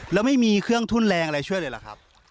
แล้วไม่มีเครื่องทุนแรงอะไรช่วยเลยล่ะครับ